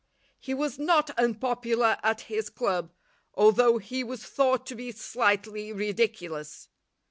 He was not unpopular at his club although he was thought to be slightly ridiculous.